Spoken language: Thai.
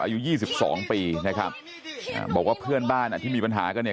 อายุยี่สิบสองปีนะครับอ่าบอกว่าเพื่อนบ้านอ่ะที่มีปัญหากันเนี่ย